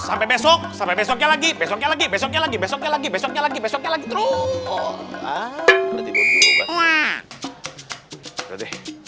sampai besok sampai besoknya lagi besoknya lagi besoknya lagi besoknya lagi besoknya lagi besoknya lagi terus